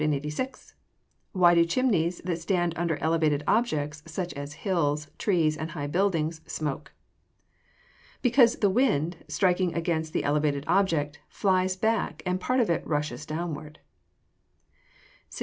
Why do chimneys that stand under elevated objects, such as hills, trees, and high buildings, smoke? Because the wind, striking against the elevated object, flies back, and a part of it rushes downward. 687.